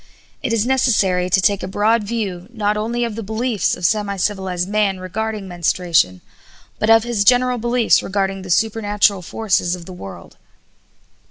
It is necessary to take a broad view, not only of the beliefs of semi civilized man regarding menstruation, but of his general beliefs regarding the supernatural forces of the world.